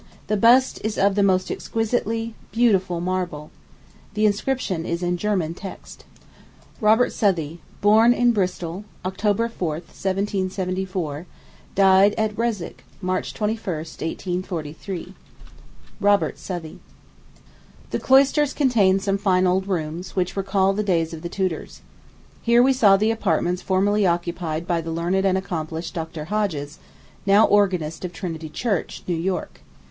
The bust is of the most exquisitely beautiful marble. The inscription is in German text. Robert Southey, Born in Bristol, October 4, 1774; Died at Reswick, March 21, 1843. [Illustration: Robert Southey] The cloisters contain some fine old rooms, which recall the days of the Tudors. Here we saw the apartments formerly occupied by the learned and accomplished Dr. Hodges, now organist of Trinity Church, New York.